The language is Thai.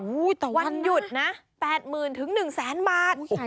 อู้ยต่อวันนะวันหยุดนะ๘๐๐๐๐ถึง๑๐๐๐๐๐บาท